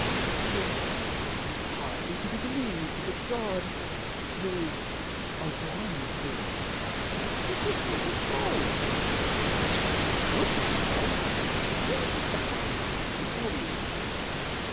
It is hardly to be believed that 'God, who is a wife Being, fliould place a foul, efpecially a good foul, in fuch a black ugly body.